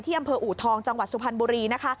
อำเภออูทองจังหวัดสุพรรณบุรีนะคะ